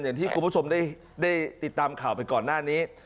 อย่างที่คุณผู้ชมได้ติดตามข่าวไปก่อนหน้านี้